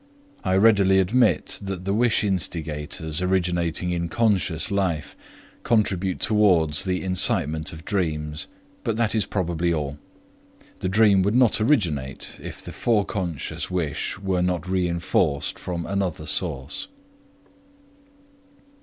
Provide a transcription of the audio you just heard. I readily admit that the wish instigators originating in conscious like contribute towards the incitement of dreams, but that is probably all. The dream would not originate if the foreconscious wish were not reinforced from another source.